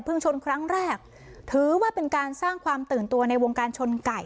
ชนครั้งแรกถือว่าเป็นการสร้างความตื่นตัวในวงการชนไก่